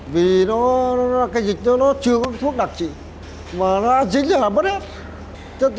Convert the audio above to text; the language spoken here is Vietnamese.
vì cái dịch nó chưa có thuốc đặc trị mà nó dính là mất hết